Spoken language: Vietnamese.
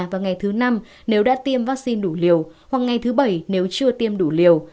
và ngày thứ năm nếu đã tiêm vaccine đủ liều hoặc ngày thứ bảy nếu chưa tiêm đủ liều